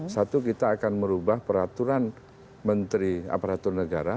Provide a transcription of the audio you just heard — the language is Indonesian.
satu kita akan merubah peraturan menteri aparatur negara